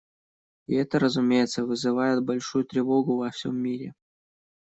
И это, разумеется, вызывает большую тревогу во всем мире.